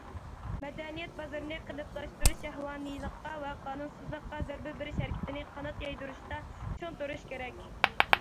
مەدەنىيەت بازىرىنى قېلىپلاشتۇرۇپ، شەھۋانىيلىققا ۋە قانۇنسىزلىققا زەربە بېرىش ھەرىكىتىنى قانات يايدۇرۇشتا چىڭ تۇرۇش كېرەك.